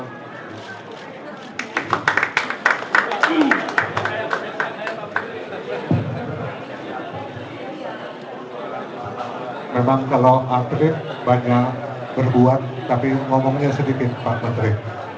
memang kalau atlet banyak berbuat tapi ngomongnya sedikit pak menteri